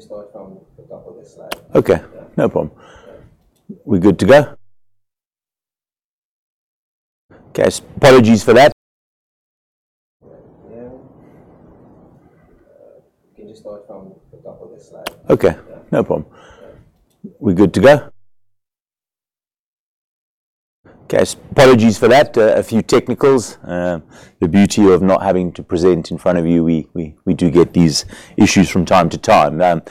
Can you start from the top of the slide? Okay. No problem. We good to go? Okay. Apologies for that. Can you start from the top of the slide? Okay. No problem. We good to go? Okay. Apologies for that. A few technicals. The beauty of not having to present in front of you, we do get these issues from time to time.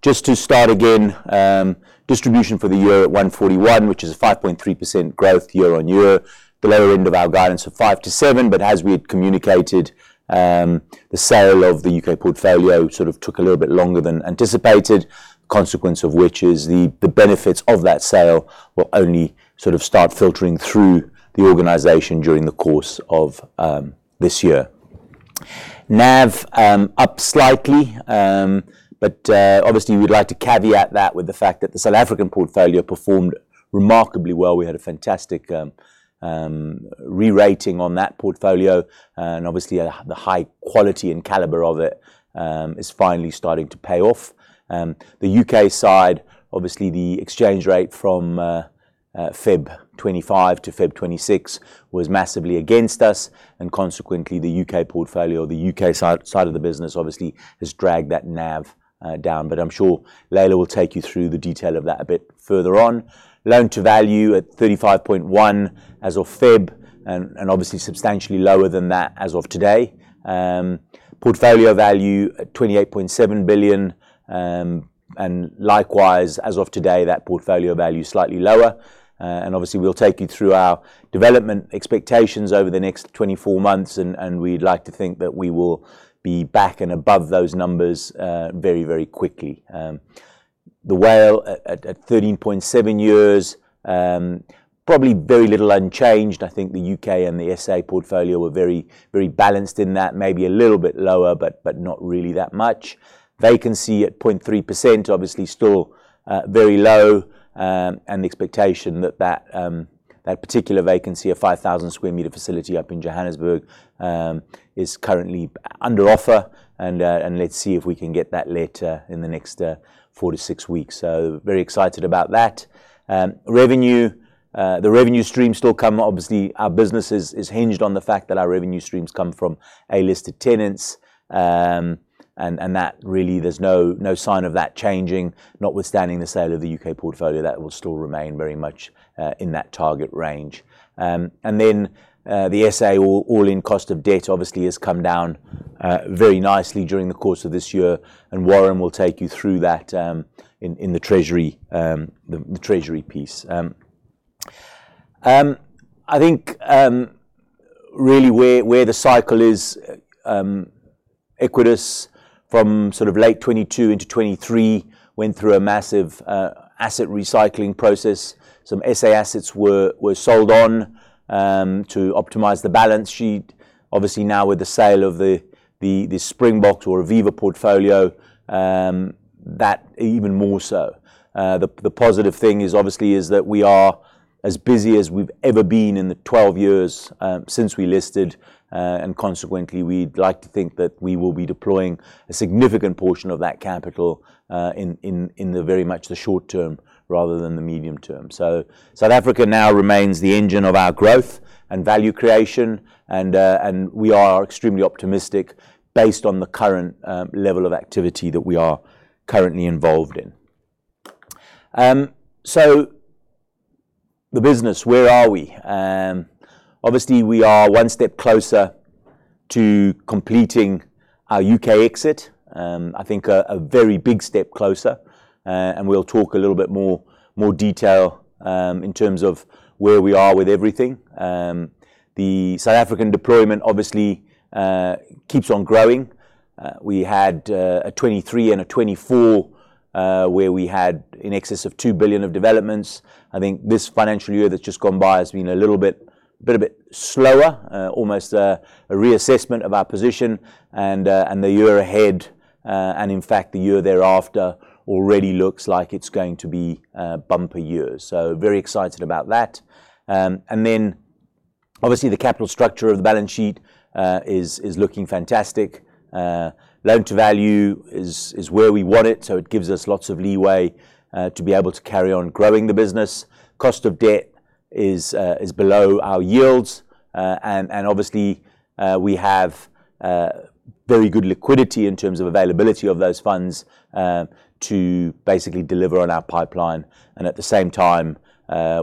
Just to start again, distribution for the year at 141, which is a 5.3% growth year-on-year. The lower end of our guidance of 5%-7%, as we had communicated, the sale of the U.K. portfolio sort of took a little bit longer than anticipated. Consequence of which is the benefits of that sale will only sort of start filtering through the organization during the course of this year. NAV up slightly. Obviously, we'd like to caveat that with the fact that the South African portfolio performed remarkably well. We had a fantastic re-rating on that portfolio. Obviously, the high quality and caliber of it is finally starting to pay off. The U.K. side, obviously the exchange rate from Feb 25 to Feb 26 was massively against us. Consequently, the U.K. portfolio, the U.K. side of the business, obviously has dragged that NAV down. I'm sure Laila will take you through the detail of that a bit further on. Loan-to-value at 35.1 as of Feb and obviously substantially lower than that as of today. Portfolio value at 28.7 billion, likewise, as of today, that portfolio value is slightly lower. Obviously we'll take you through our development expectations over the next 24 months and we'd like to think that we will be back and above those numbers very quickly. The WALE at 13.7 years, probably very little unchanged. I think the U.K. and the S.A. portfolio were very balanced in that. Maybe a little bit lower, but not really that much. Vacancy at 0.3%, obviously still very low, and the expectation that that particular vacancy, a 5,000 sq m facility up in Johannesburg, is currently under offer and let's see if we can get that let in the next four to six weeks. Very excited about that. Revenue, the revenue stream still come. Obviously our business is hinged on the fact that our revenue streams come from A-listed tenants. That really there's no sign of that changing. Notwithstanding the sale of the U.K. portfolio, that will still remain very much in that target range. The S.A. all-in cost of debt obviously has come down very nicely during the course of this year, and Warren will take you through that in the treasury, the treasury piece. Really where the cycle is, Equites from sort of late 2022 into 2023 went through a massive asset recycling process. Some S.A. assets were sold on to optimize the balance sheet. Obviously now with the sale of the Springbok or Aviva portfolio, that even more so. The positive thing is obviously is that we are as busy as we've ever been in the 12 years since we listed. Consequently, we'd like to think that we will be deploying a significant portion of that capital in the very much the short term rather than the medium term. South Africa now remains the engine of our growth and value creation and we are extremely optimistic based on the current level of activity that we are currently involved in. The business, where are we? Obviously, we are one step closer to completing our U.K. exit. I think a very big step closer, and we'll talk a little bit more detail in terms of where we are with everything. The South African deployment obviously keeps on growing. We had a 2023 and a 2024 where we had in excess of 2 billion of developments. I think this financial year that's just gone by has been a little bit a bit slower, almost a reassessment of our position and the year ahead, and in fact the year thereafter already looks like it's going to be bumper years. Very excited about that. Obviously the capital structure of the balance sheet is looking fantastic. Loan to value is where we want it, so it gives us lots of leeway to be able to carry on growing the business. Cost of debt is below our yields. Obviously, we have very good liquidity in terms of availability of those funds to basically deliver on our pipeline. At the same time,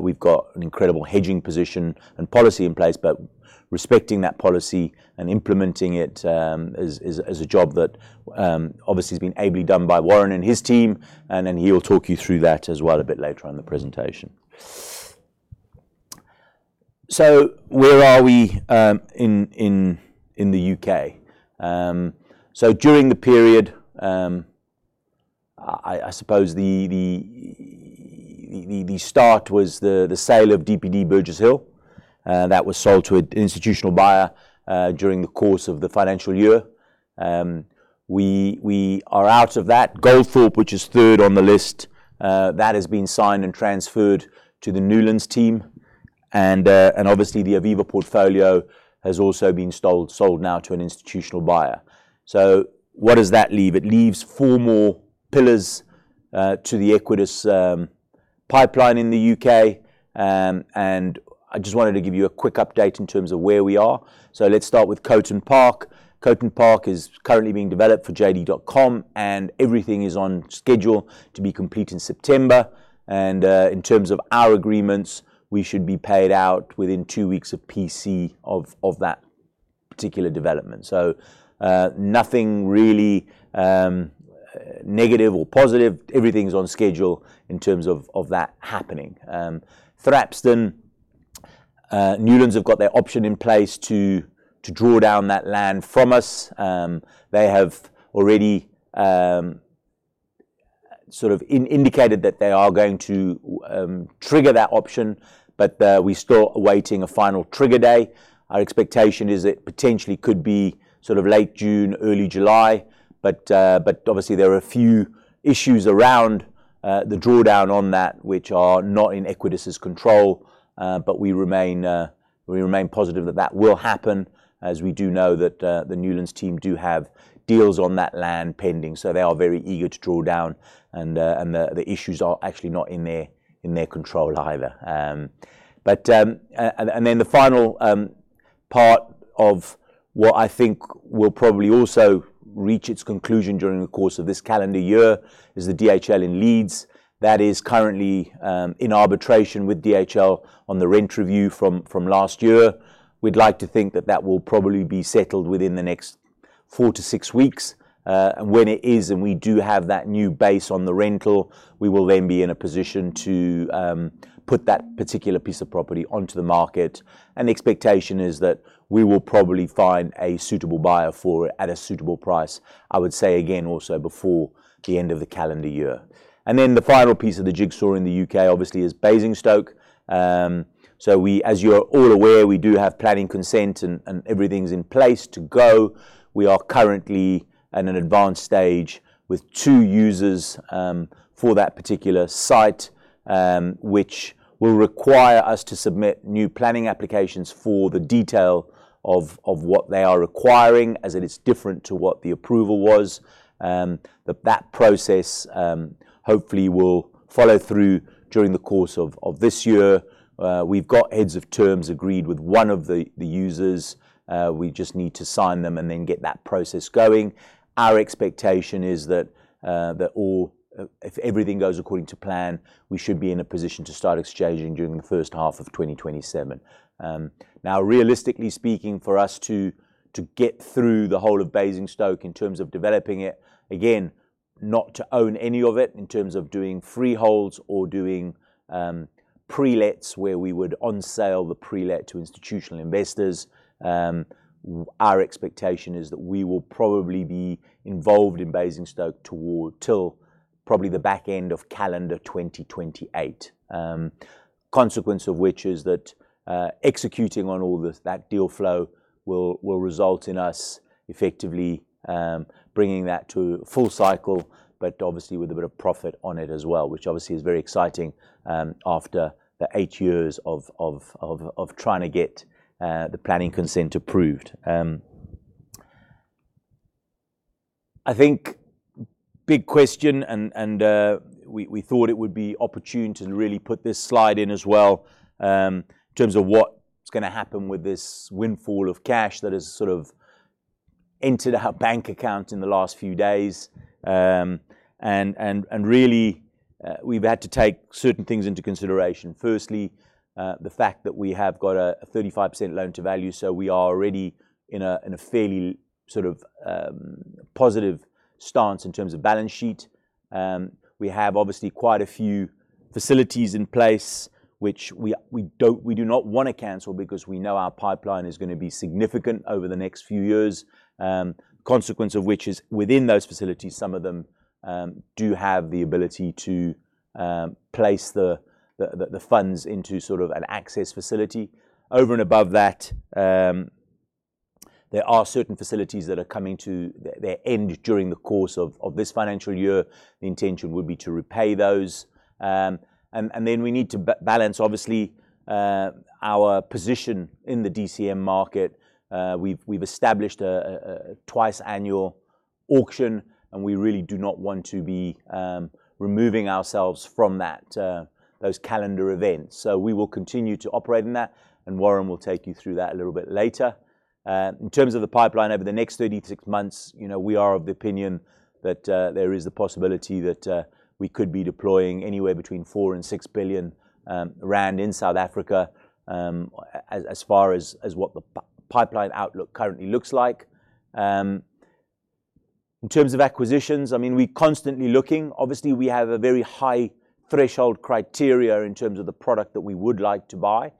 we've got an incredible hedging position and policy in place, but respecting that policy and implementing it is a job that obviously has been ably done by Warren and his team he will talk you through that as well a bit later on in the presentation. Where are we in the U.K.? During the period, I suppose the start was the sale of DPD Burgess Hill that was sold to an institutional buyer during the course of the financial year. We are out of that. Goldthorpe, which is third on the list, that has been signed and transferred to the Newlands team. Obviously the Aviva portfolio has also been sold now to an institutional buyer. What does that leave? It leaves four more pillars to the Equites pipeline in the U.K. I just wanted to give you a quick update in terms of where we are. Let's start with Coton Park. Coton Park is currently being developed for JD.com, and everything is on schedule to be complete in September. In terms of our agreements, we should be paid out within two weeks of PC of that particular development. Nothing really negative or positive. Everything's on schedule in terms of that happening. Thrapston, Newlands have got their option in place to draw down that land from us. They have already indicated that they are going to trigger that option. We're still awaiting a final trigger day. Our expectation is it potentially could be sort of late June, early July. Obviously there are a few issues around the drawdown on that which are not in Equites' control. We remain positive that that will happen, as we do know that the Newlands team do have deals on that land pending. They are very eager to draw down and the issues are actually not in their control either. The final part of what I think will probably also reach its conclusion during the course of this calendar year is the DHL in Leeds. That is currently in arbitration with DHL on the rent review from last year. We'd like to think that that will probably be settled within the next four to six weeks. When it is, and we do have that new base on the rental, we will then be in a position to put that particular piece of property onto the market. The expectation is that we will probably find a suitable buyer for it at a suitable price, I would say again, also before the end of the calendar year. The final piece of the jigsaw in the U.K. obviously is Basingstoke. We, as you are all aware, we do have planning consent and everything's in place to go. We are currently at an advanced stage with two users for that particular site, which will require us to submit new planning applications for the detail of what they are requiring, as it is different to what the approval was. That process hopefully will follow through during the course of this year. We've got heads of terms agreed with one of the users. We just need to sign them and then get that process going. Our expectation is that all, if everything goes according to plan, we should be in a position to start exchanging during the first half of 2027. Now, realistically speaking, for us to get through the whole of Basingstoke in terms of developing it, again, not to own any of it in terms of doing freeholds or doing pre-lets where we would onsale the pre-let to institutional investors, our expectation is that we will probably be involved in Basingstoke till probably the back end of calendar 2028. Consequence of which is that executing on all this, that deal flow will result in us effectively bringing that to full cycle, but obviously with a bit of profit on it as well, which obviously is very exciting, after the eight years of trying to get the planning consent approved. I think big question and we thought it would be opportune to really put this slide in as well, in terms of what's gonna happen with this windfall of cash that has sort of entered our bank account in the last few days. Really, we've had to take certain things into consideration. Firstly, the fact that we have got a 35% loan-to-value. We are already in a fairly positive stance in terms of balance sheet. We have obviously quite a few facilities in place which we do not wanna cancel because we know our pipeline is gonna be significant over the next few years. Consequence of which is within those facilities, some of them do have the ability to place the funds into sort of an access facility. Over and above that, there are certain facilities that are coming to their end during the course of this financial year. The intention would be to repay those. Then we need to balance obviously, our position in the DCM market. We've established a twice annual auction, and we really do not want to be removing ourselves from that, those calendar events. We will continue to operate in that, and Warren will take you through that a little bit later. In terms of the pipeline over the next 36 months, you know, we are of the opinion that there is the possibility that we could be deploying anywhere between 4 billion and 6 billion rand in South Africa, as far as what the pipeline outlook currently looks like. In terms of acquisitions, I mean, we're constantly looking. Obviously, we have a very high threshold criteria in terms of the product that we would like to buy.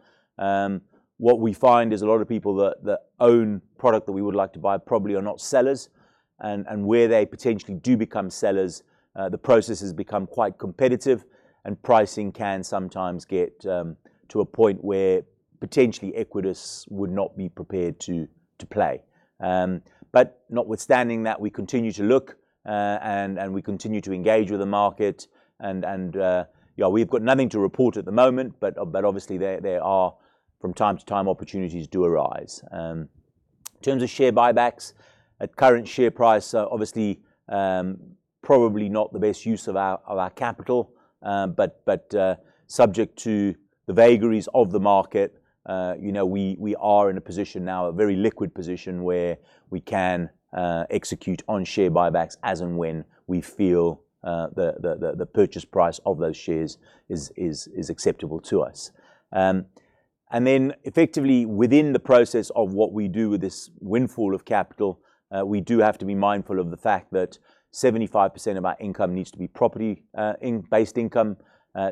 What we find is a lot of people that own product that we would like to buy probably are not sellers. Where they potentially do become sellers, the process has become quite competitive and pricing can sometimes get to a point where potentially Equites would not be prepared to play. Notwithstanding that, we continue to look, and we continue to engage with the market and, yeah, we've got nothing to report at the moment, but obviously there are from time to time opportunities do arise. In terms of share buybacks, at current share price, obviously, probably not the best use of our capital. Subject to the vagaries of the market, you know, we are in a position now, a very liquid position, where we can execute on share buybacks as and when we feel the purchase price of those shares is acceptable to us. Effectively within the process of what we do with this windfall of capital, we do have to be mindful of the fact that 75% of our income needs to be property-based income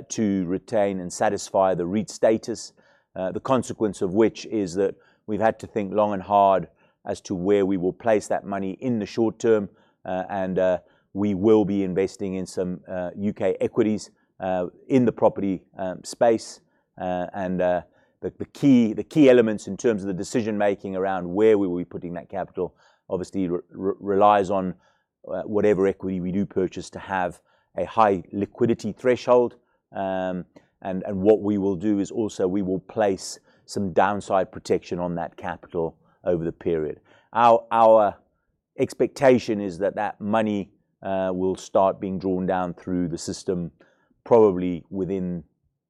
to retain and satisfy the REIT status. The consequence of which is that we've had to think long and hard as to where we will place that money in the short term, and we will be investing in some U.K. equities in the property space. The key elements in terms of the decision-making around where we will be putting that capital obviously relies on whatever equity we do purchase to have a high liquidity threshold. What we will do is also we will place some downside protection on that capital over the period. Our expectation is that that money will start being drawn down through the system probably within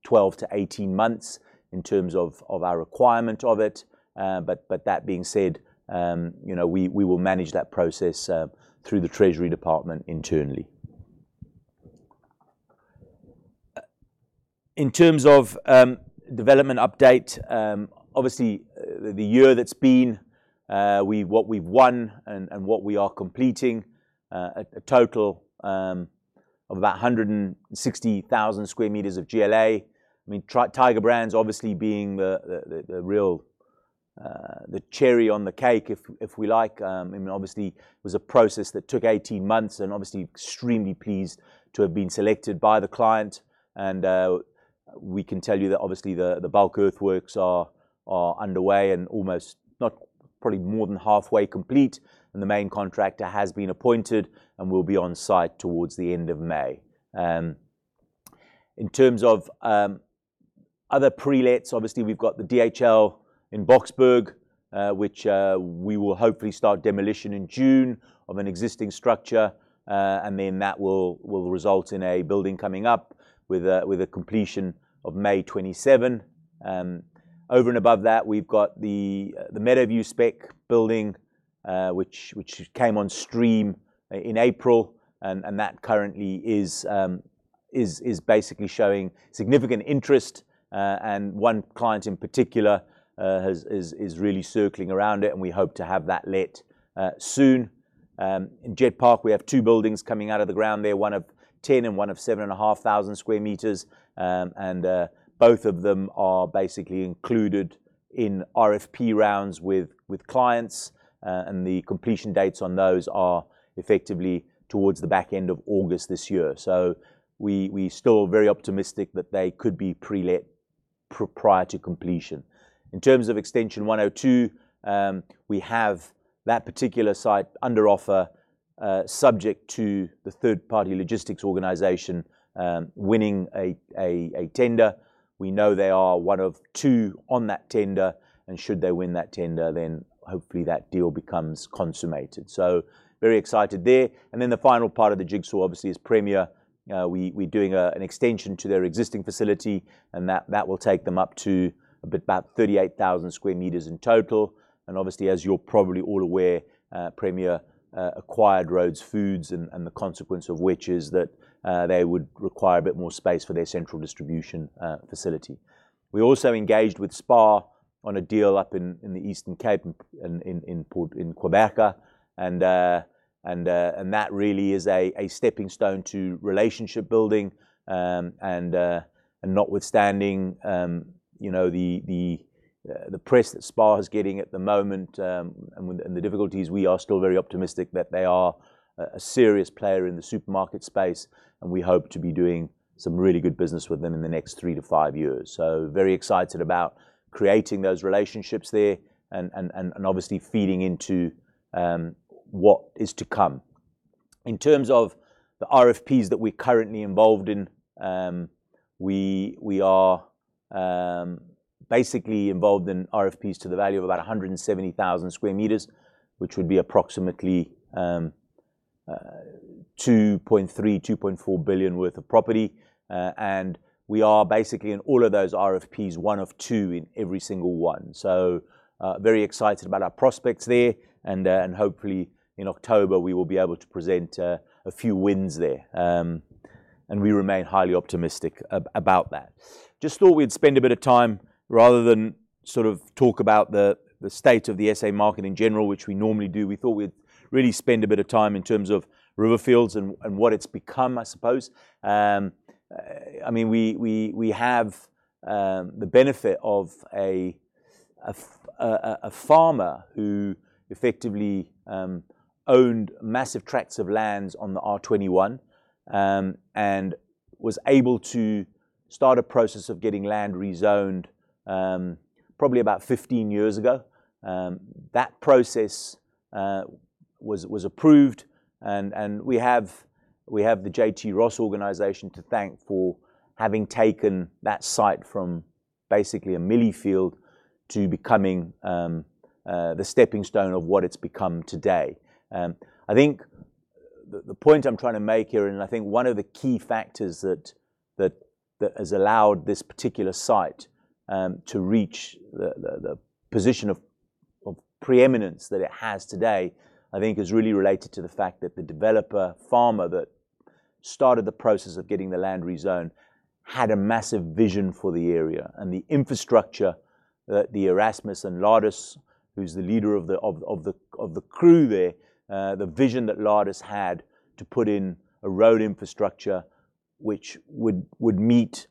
12 to 18 months in terms of our requirement of it. That being said, you know, we will manage that process through the treasury department internally. In terms of development update, obviously, the year that's been, what we've won and what we are completing, a total of about 160,000 sq m of GLA. I mean, Tiger Brands obviously being the real cherry on the cake, if we like. I mean, obviously it was a process that took 18 months and obviously extremely pleased to have been selected by the client. We can tell you that obviously the bulk earthworks are underway and almost more than halfway complete, and the main contractor has been appointed and will be on site towards the end of May. In terms of other prelets, obviously we've got the DHL in Boksburg, which we will hopefully start demolition in June of an existing structure. Then that will result in a building coming up with a completion of May 2027. Over and above that, we've got the Meadowview spec building, which came on stream in April. That currently is basically showing significant interest. One client in particular is really circling around it, and we hope to have that let soon. In Jet Park, we have two buildings coming out of the ground there, one of 10 and one of 7,500 sq m. Both of them are basically included in RFP rounds with clients. The completion dates on those are effectively towards the back end of August this year. We still very optimistic that they could be prelet prior to completion. In terms of Extension 102, we have that particular site under offer, subject to the third-party logistics organization winning a tender. We know they are one of two on that tender, and should they win that tender then hopefully that deal becomes consummated. Very excited there. The final part of the jigsaw obviously is Premier. We're doing an extension to their existing facility, and that will take them up to a bit about 38,000 sq m in total. Obviously, as you're probably all aware, Premier FMCG acquired Rhodes Food Group and the consequence of which is that they would require a bit more space for their central distribution facility. We also engaged with SPAR on a deal up in the Eastern Cape in Gqeberha, and that really is a stepping stone to relationship building. Notwithstanding, you know, the press that SPAR is getting at the moment and the difficulties, we are still very optimistic that they are a serious player in the supermarket space, and we hope to be doing some really good business with them in the next three to five years. Very excited about creating those relationships there and obviously feeding into what is to come. In terms of the RFPs that we're currently involved in, we are basically involved in RFPs to the value of about 170,000 sq m, which would be approximately 2.3 billion-2.4 billion worth of property. We are basically in all of those RFPs, one of two in every single one. Very excited about our prospects there and hopefully in October we will be able to present a few wins there. We remain highly optimistic about that. Just thought we'd spend a bit of time rather than sort of talk about the state of the S.A. market in general, which we normally do. We thought we'd really spend a bit of time in terms of Riverfields and what it's become, I suppose. I mean, we have the benefit of a farmer who effectively owned massive tracts of lands on the R21 and was able to start a process of getting land rezoned probably about 15 years ago. That process was approved and we have the JT Ross Property Group to thank for having taken that site from basically a mielie field to becoming the stepping stone of what it's become today. I think the point I am trying to make here, and I think one of the key factors that has allowed this particular site to reach the position of preeminence that it has today, I think is really related to the fact that the developer farmer that started the process of getting the land rezoned had a massive vision for the area. The infrastructure that the Erasmus and Laudes, who is the leader of the crew there, the vision that Laudes had to put in a road infrastructure which would meet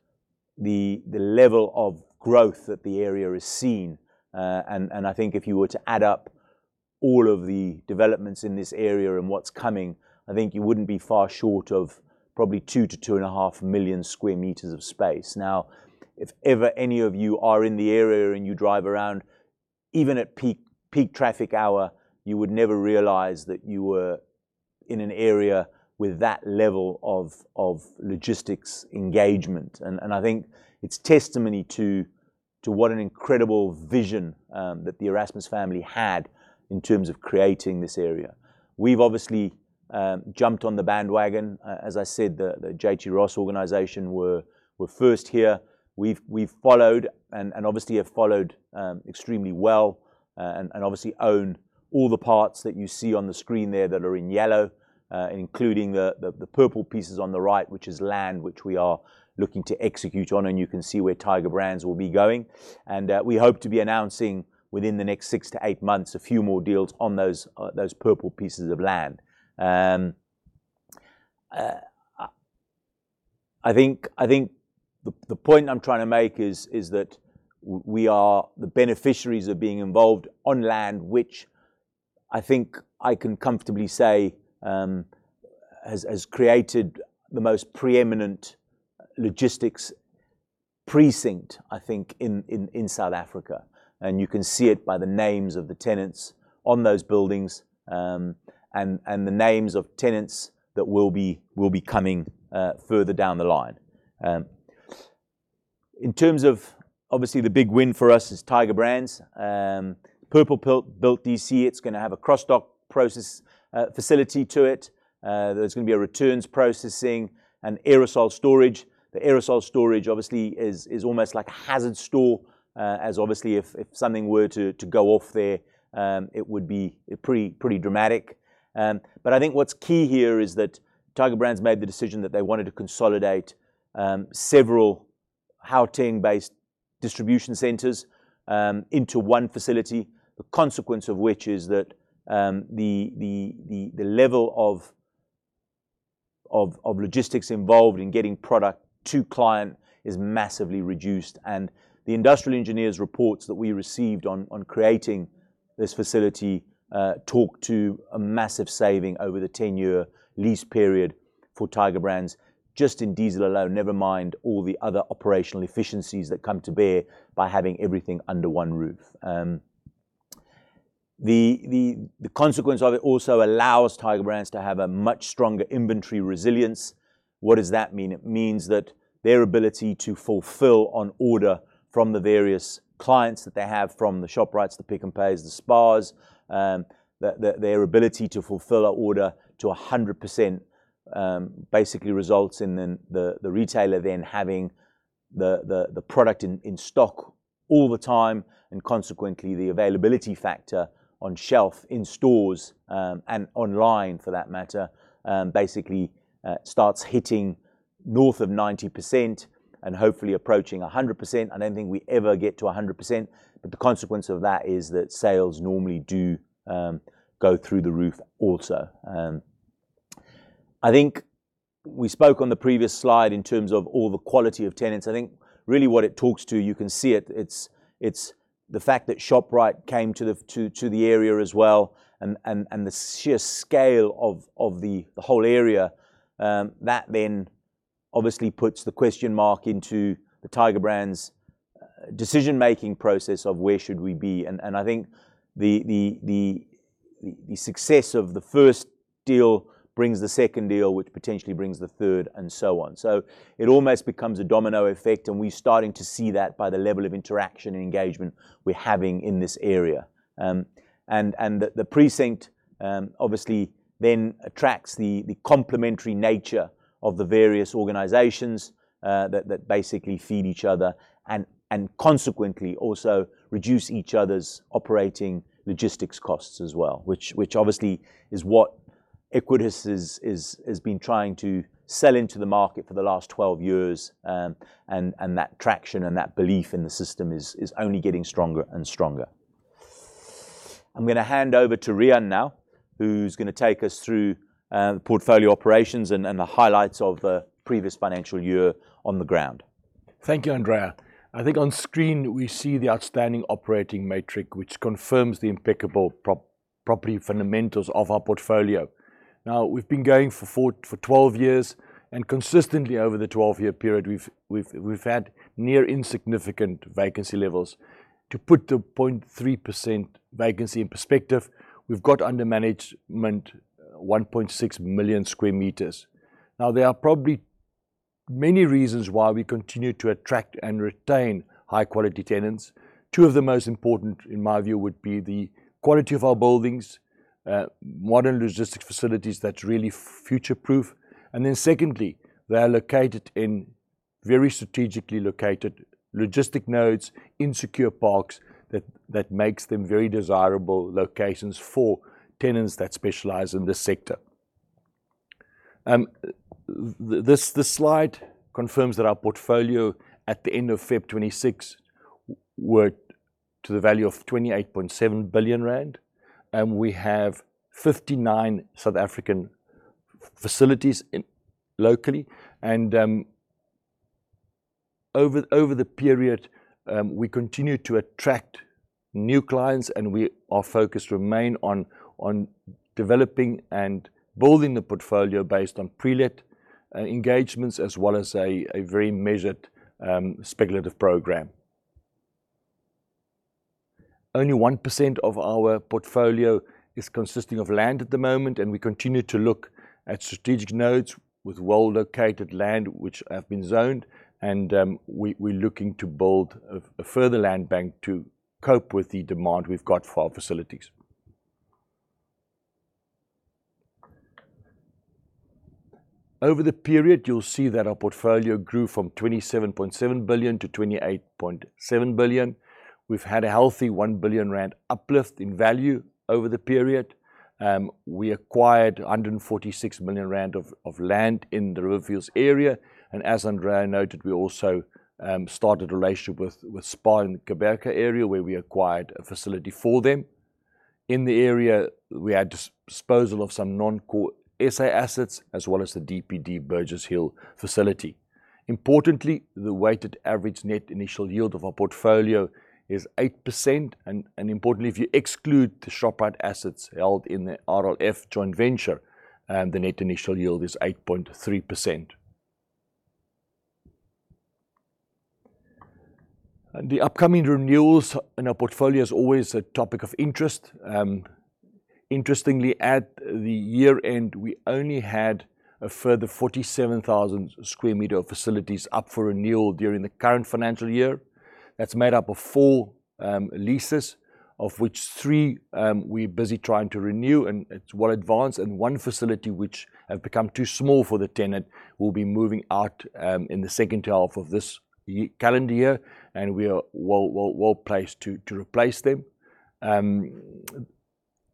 the level of growth that the area has seen. I think if you were to add up all of the developments in this area and what's coming, I think you wouldn't be far short of probably 2 million sq m-2.5 million sq m of space. If ever any of you are in the area and you drive around, even at peak traffic hour, you would never realize that you were in an area with that level of logistics engagement. I think it's testimony to what an incredible vision that the Erasmus family had in terms of creating this area. We've obviously jumped on the bandwagon. As I said, the JT Ross organization were first here. We've followed and obviously have followed extremely well, and obviously own all the parts that you see on the screen there that are in yellow, including the purple pieces on the right, which is land which we are looking to execute on. You can see where Tiger Brands will be going. We hope to be announcing within the next six to eight months a few more deals on those purple pieces of land. I think the point I'm trying to make is that we are the beneficiaries of being involved on land, which I think I can comfortably say, has created the most preeminent logistics precinct, I think, in South Africa. You can see it by the names of the tenants on those buildings, and the names of tenants that will be coming further down the line. In terms of obviously the big win for us is Tiger Brands. Purpose-built DC. It's gonna have a cross-dock process facility to it. There's gonna be a returns processing and aerosol storage. The aerosol storage obviously is almost like a hazard store. As obviously if something were to go off there, it would be pretty dramatic. I think what's key here is that Tiger Brands made the decision that they wanted to consolidate several Gauteng-based distribution centers into one facility. The consequence of which is that the level of logistics involved in getting product to client is massively reduced. The industrial engineers reports that we received on creating this facility talk to a massive saving over the 10-year lease period for Tiger Brands just in diesel alone, never mind all the other operational efficiencies that come to bear by having everything under one roof. The consequence of it also allows Tiger Brands to have a much stronger inventory resilience. What does that mean? It means that their ability to fulfill an order from the various clients that they have, from the Shoprites, the Pick n Pay, the SPARs, their ability to fulfill an order to 100%, basically results in then the retailer then having the product in stock all the time. And consequently, the availability factor on shelf in stores, and online for that matter, basically starts hitting north of 90% and hopefully approaching 100%. I don't think we ever get to 100%, but the consequence of that is that sales normally do go through the roof also. I think we spoke on the previous slide in terms of all the quality of tenants. I think really what it talks to, you can see it's the fact that Shoprite came to the area as well and the sheer scale of the whole area, that then obviously puts the question mark into the Tiger Brands decision-making process of where should we be. I think the success of the first deal brings the second deal, which potentially brings the third, and so on. It almost becomes a domino effect, and we're starting to see that by the level of interaction and engagement we're having in this area. And the precinct obviously then attracts the complementary nature of the various organizations that basically feed each other and consequently also reduce each other's operating logistics costs as well, which obviously is what Equites has been trying to sell into the market for the last 12 years. That traction and that belief in the system is only getting stronger and stronger. I'm gonna hand over to Riaan now, who's gonna take us through the portfolio operations and the highlights of the previous financial year on the ground. Thank you, Andrea. I think on screen we see the outstanding operating metric, which confirms the impeccable Property fundamentals of our portfolio. We've been going for 12 years, and consistently over the 12-year period, we've had near insignificant vacancy levels. To put the 0.3% vacancy in perspective, we've got under management 1.6 million sq m. There are probably many reasons why we continue to attract and retain high-quality tenants. Two of the most important, in my view, would be the quality of our buildings, modern logistics facilities that's really future-proof. Secondly, they are located in very strategically located logistic nodes in secure parks that makes them very desirable locations for tenants that specialize in this sector. This slide confirms that our portfolio at the end of Feb 2026 were to the value of 28.7 billion rand. We have 59 South African facilities locally and, over the period, we continue to attract new clients and Our focus remain on developing and building the portfolio based on pre-let engagements as well as a very measured speculative program. Only 1% of our portfolio is consisting of land at the moment. We continue to look at strategic nodes with well-located land which have been zoned and, we're looking to build a further land bank to cope with the demand we've got for our facilities. Over the period, you'll see that our portfolio grew from 27.7 billion-28.7 billion. We've had a healthy 1 billion rand uplift in value over the period. We acquired 146 million rand of land in the Riverfields area. As Andrea noted, we also started a relationship with SPAR in Gqeberha area, where we acquired a facility for them. In the area, we had disposal of some non-core S.A. assets as well as the DPD Burgess Hill facility. Importantly, the weighted average net initial yield of our portfolio is 8% and importantly, if you exclude the Shoprite assets held in the RLF joint venture, the net initial yield is 8.3%. The upcoming renewals in our portfolio is always a topic of interest. Interestingly, at the year-end, we only had a further 47,000 sq m of facilities up for renewal during the current financial year. That's made up of four leases, of which three we're busy trying to renew, and it's well advanced. One facility which have become too small for the tenant will be moving out in the second half of this calendar year, and we are well placed to replace them.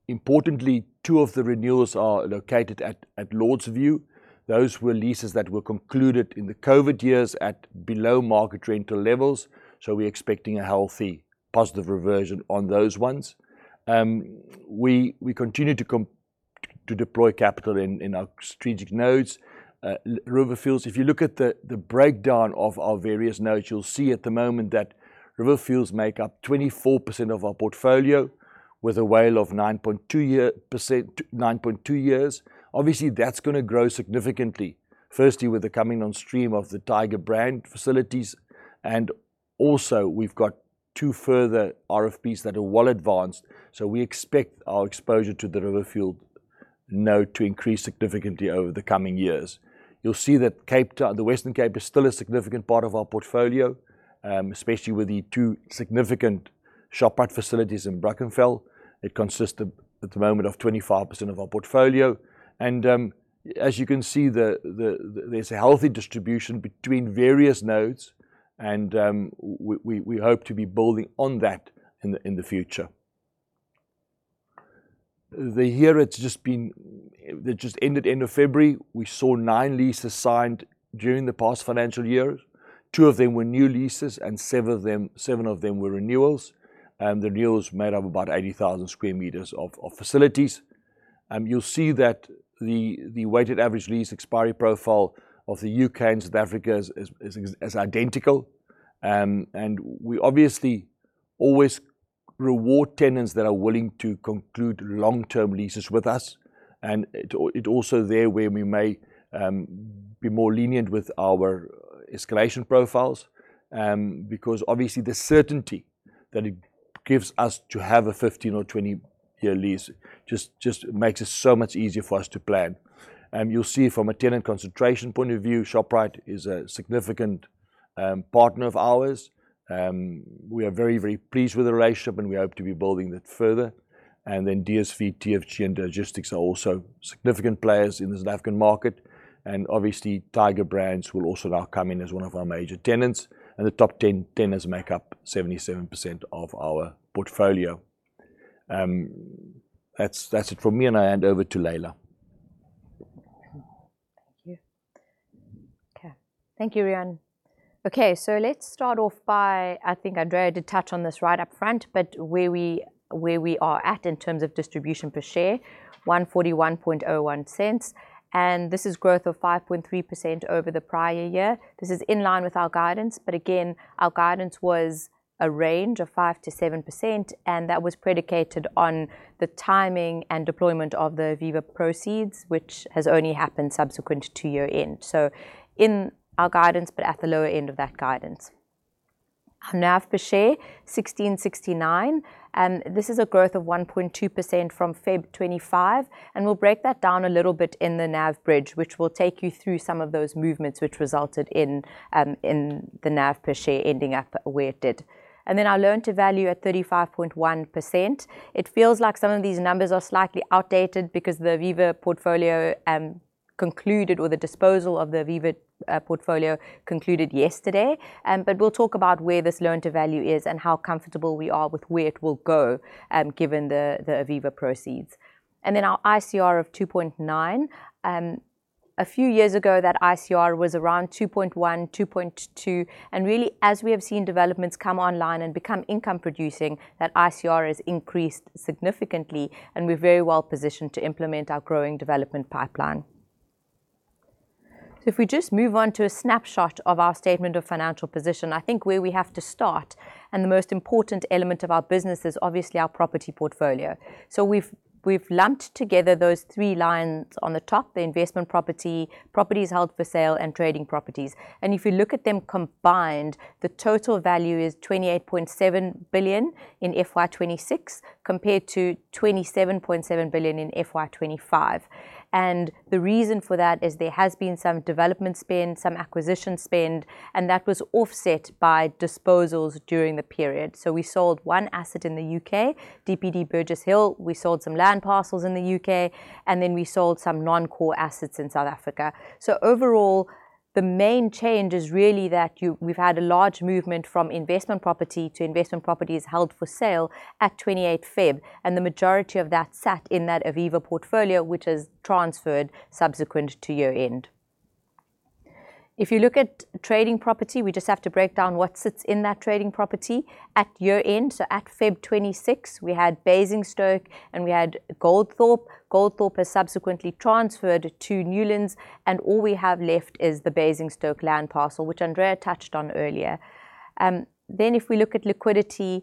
Importantly, two of the renewals are located at Lordsview. Those were leases that were concluded in the COVID years at below-market rental levels, so we're expecting a healthy positive reversion on those ones. We continue to deploy capital in our strategic nodes. Riverfields, if you look at the breakdown of our various nodes, you'll see at the moment that Riverfields make up 24% of our portfolio with a WALE of 9.2 years. That's going to grow significantly, firstly, with the coming on stream of the Tiger Brands facilities, and also we've got two further RFPs that are well advanced. We expect our exposure to the Riverfields node to increase significantly over the coming years. You'll see that the Western Cape is still a significant part of our portfolio, especially with the two significant Shoprite facilities in Brackenfell. It consists of, at the moment, of 25% of our portfolio. As you can see, there's a healthy distribution between various nodes and we hope to be building on that in the future. The year it's just been that just ended end of February, we saw nine leases signed during the past financial year. Two of them were new leases and seven of them were renewals. The renewals made up about 80,000 sq m of facilities. You'll see that the weighted average lease expiry profile of the U.K. and South Africa is identical. We obviously always reward tenants that are willing to conclude long-term leases with us. It also there where we may be more lenient with our escalation profiles because obviously the certainty that it gives us to have a 15 or 20-year lease just makes it so much easier for us to plan. You'll see from a tenant concentration point of view, Shoprite is a significant partner of ours. We are very pleased with the relationship and we hope to be building that further. Then DSV, TFG, and Imperial Logistics are also significant players in the South African market. Obviously, Tiger Brands will also now come in as one of our major tenants, and the top 10 tenants make up 77% of our portfolio. That's it from me, and I hand over to Laila. Thank you. Thank you, Riaan. Let's start off by, I think Andrea did touch on this right up front, where we are at in terms of distribution per share, 1.4101, this is growth of 5.3% over the prior year. This is in line with our guidance, again, our guidance was a range of 5%-7%, that was predicated on the timing and deployment of the Aviva proceeds, which has only happened subsequent to year-end. In our guidance, at the lower end of that guidance. Our NAV per share, 1,669, this is a growth of 1.2% from Feb 25. We'll break that down a little bit in the NAV bridge, which will take you through some of those movements which resulted in the NAV per share ending up where it did. Our loan-to-value at 35.1%. It feels like some of these numbers are slightly outdated because the Aviva portfolio concluded, or the disposal of the Aviva portfolio concluded yesterday. We'll talk about where this loan-to-value is and how comfortable we are with where it will go given the Aviva proceeds. Our ICR of 2.9. A few years ago, that ICR was around 2.1, 2.2, and really, as we have seen developments come online and become income producing, that ICR has increased significantly, and we're very well positioned to implement our growing development pipeline. If we just move on to a snapshot of our statement of financial position, I think where we have to start, and the most important element of our business, is obviously our property portfolio. We've lumped together those three lines on the top, the investment property, properties held for sale, and trading properties. If you look at them combined, the total value is 28.7 billion in FY 2026 compared to 27.7 billion in FY 2025. The reason for that is there has been some development spend, some acquisition spend, and that was offset by disposals during the period. We sold one asset in the U.K., DPD Burgess Hill. We sold some land parcels in the U.K., and then we sold some non-core assets in South Africa. Overall, the main change is really that we've had a large movement from investment property to investment properties held for sale at 28 Feb, and the majority of that sat in that Aviva portfolio, which has transferred subsequent to year-end. If you look at trading property, we just have to break down what sits in that trading property. At year-end, so at Feb 26, we had Basingstoke and we had Goldthorpe. Goldthorpe has subsequently transferred to Newlands, and all we have left is the Basingstoke land parcel, which Andrea touched on earlier. If we look at liquidity,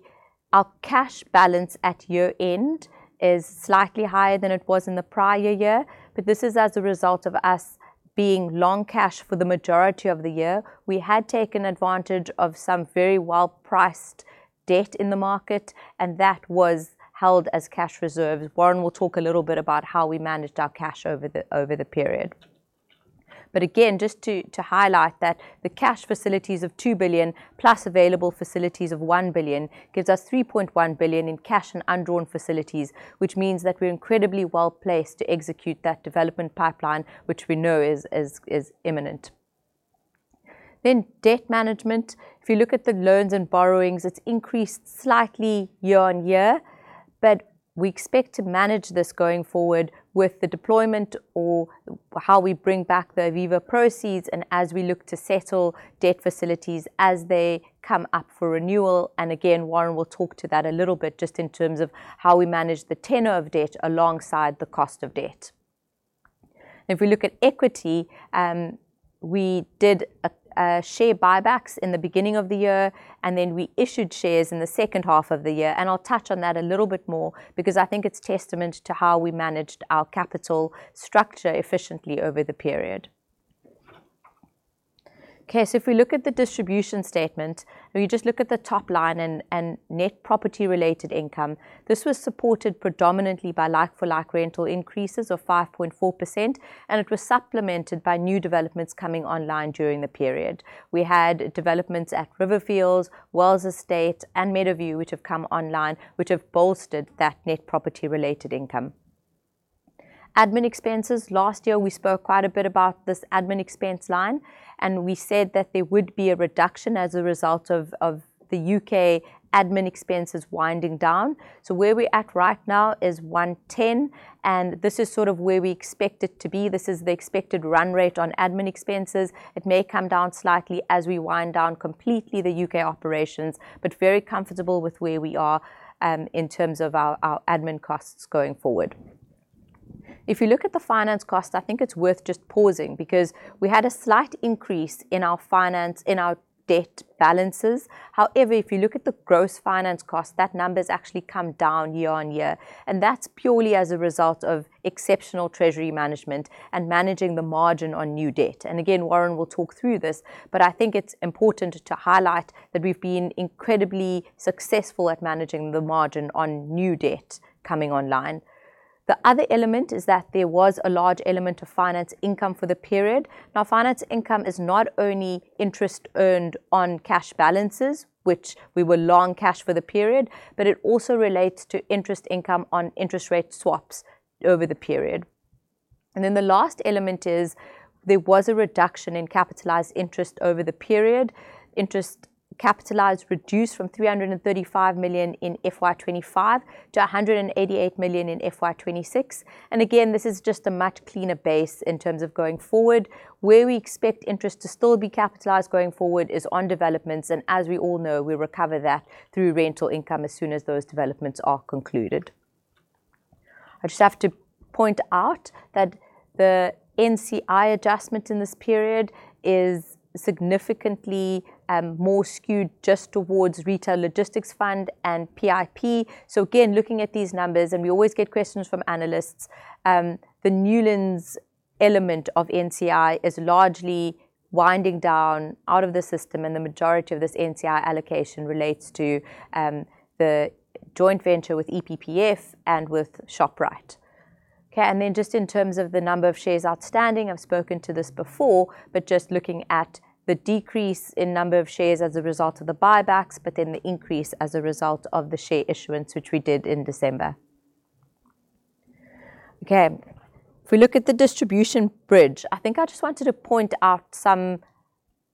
our cash balance at year-end is slightly higher than it was in the prior year, but this is as a result of us being long cash for the majority of the year. We had taken advantage of some very well-priced debt in the market, and that was held as cash reserves. Warren will talk a little bit about how we managed our cash over the period. Again, just to highlight that the cash facilities of 2 billion plus available facilities of 1 billion gives us 3.1 billion in cash and undrawn facilities, which means that we're incredibly well-placed to execute that development pipeline, which we know is imminent. Debt management. If you look at the loans and borrowings, it's increased slightly year-on-year, but we expect to manage this going forward with the deployment or how we bring back the Aviva proceeds and as we look to settle debt facilities as they come up for renewal. Again, Warren will talk to that a little bit just in terms of how we manage the tenor of debt alongside the cost of debt. If we look at equity, we did share buybacks in the beginning of the year, and then we issued shares in the second half of the year, and I'll touch on that a little bit more because I think it's testament to how we managed our capital structure efficiently over the period. Okay, if we look at the distribution statement, if you just look at the top line and net property related income, this was supported predominantly by like-for-like rental increases of 5.4%, and it was supplemented by new developments coming online during the period. We had developments at Riverfields, Wells Estate, and Meadowview, which have come online, which have bolstered that net property related income. Admin expenses. Last year, we spoke quite a bit about this admin expense line, and we said that there would be a reduction as a result of the U.K. admin expenses winding down. Where we're at right now is 110, and this is sort of where we expect it to be. This is the expected run rate on admin expenses. It may come down slightly as we wind down completely the U.K. operations, but very comfortable with where we are in terms of our admin costs going forward. If you look at the finance cost, I think it's worth just pausing because we had a slight increase in our finance, in our debt balances. However, if you look at the gross finance cost, that number's actually come down year-on-year, and that's purely as a result of exceptional treasury management and managing the margin on new debt. Again, Warren will talk through this, but I think it's important to highlight that we've been incredibly successful at managing the margin on new debt coming online. The other element is that there was a large element of finance income for the period. Now, finance income is not only interest earned on cash balances, which we were long cash for the period, but it also relates to interest income on interest rate swaps over the period. The last element is there was a reduction in capitalized interest over the period. Interest capitalized reduced from 335 million in FY 2025 to 188 million in FY 2026. Again, this is just a much cleaner base in terms of going forward. Where we expect interest to still be capitalized going forward is on developments, and as we all know, we recover that through rental income as soon as those developments are concluded. I just have to point out that the NCI adjustment in this period is significantly more skewed just towards Retail Logistics Fund and PIP. Again, looking at these numbers, and we always get questions from analysts, the Newlands element of NCI is largely winding down out of the system, and the majority of this NCI allocation relates to the joint venture with EPPF and with Shoprite. Just in terms of the number of shares outstanding, I've spoken to this before, but just looking at the decrease in number of shares as a result of the buybacks but then the increase as a result of the share issuance, which we did in December. We look at the distribution bridge, I think I just wanted to point out some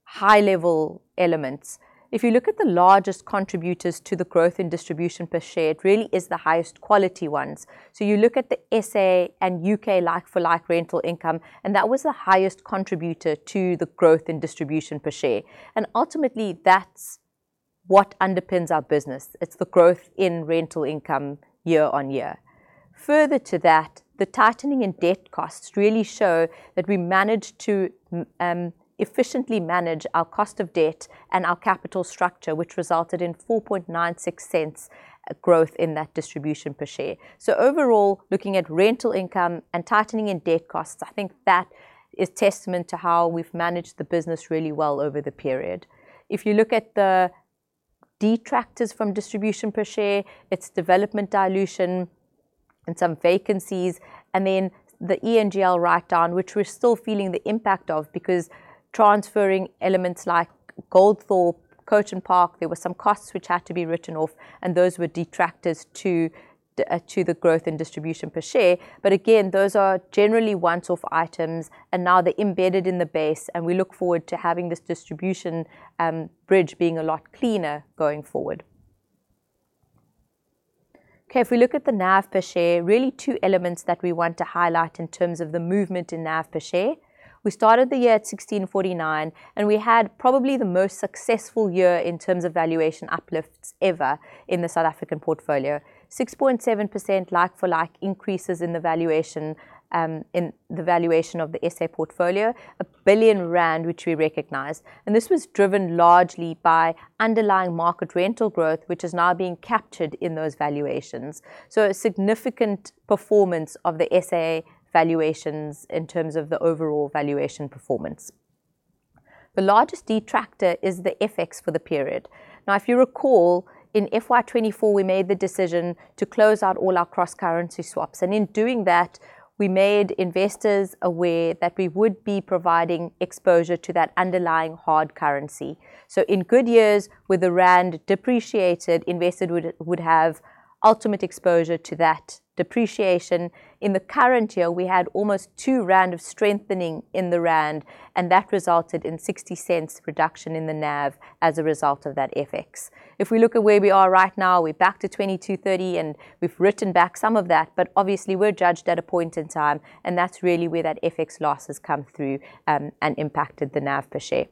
high-level elements. You look at the largest contributors to the growth in distribution per share, it really is the highest quality ones. You look at the S.A. and U.K. like-for-like rental income, that was the highest contributor to the growth in distribution per share. Ultimately, that's what underpins our business. It's the growth in rental income year-over-year. Further to that, the tightening in debt costs really show that we managed to efficiently manage our cost of debt and our capital structure, which resulted in 0.0496 growth in that distribution per share. Overall, looking at rental income and tightening in debt costs, I think that is testament to how we've managed the business really well over the period. You look at the detractors from distribution per share, it's development dilution and some vacancies, then the E&GL write-down, which we're still feeling the impact of because transferring elements like Goldthorpe, Coton Park, there were some costs which had to be written off, and those were detractors to the growth in distribution per share. Again, those are generally once-off items, and now they're embedded in the base, and we look forward to having this distribution bridge being a lot cleaner going forward. We look at the NAV per share, really two elements that we want to highlight in terms of the movement in NAV per share. We started the year at 16.49, and we had probably the most successful year in terms of valuation uplifts ever in the South African portfolio. 6.7% like for like increases in the valuation, in the valuation of the S.A. portfolio, 1 billion rand, which we recognized, and this was driven largely by underlying market rental growth, which is now being captured in those valuations. A significant performance of the S.A. valuations in terms of the overall valuation performance. The largest detractor is the FX for the period. If you recall, in FY 2024 we made the decision to close out all our cross-currency swaps, and in doing that, we made investors aware that we would be providing exposure to that underlying hard currency. In good years, where the rand depreciated, invested would have ultimate exposure to that depreciation. In the current year, we had almost 2 rand of strengthening in the rand, and that resulted in 0.60 reduction in the NAV as a result of that FX. If we look at where we are right now, we're back to 22.30, and we've written back some of that, but obviously we're judged at a point in time, and that's really where that FX loss has come through and impacted the NAV per share.